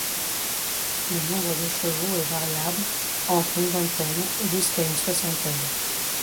Le nombre de chevaux est variable entre une vingtaine jusqu'à une soixantaine.